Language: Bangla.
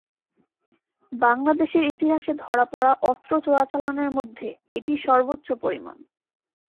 বাংলাদেশের ইতিহাসে ধরা পড়া অস্ত্র চোরাচালানের মধ্যে এটি সর্বোচ্চ পরিমাণ।